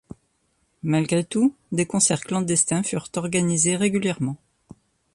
Malgré tout, des concerts clandestins furent organisés régulièrement.